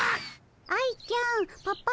愛ちゃんパパ